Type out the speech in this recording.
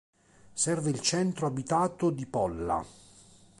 Serve il centro abitato di Polla.